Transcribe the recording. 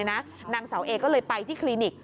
นางเสาเอก็เลยไปที่คลินิก